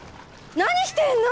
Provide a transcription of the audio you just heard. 何してんの！？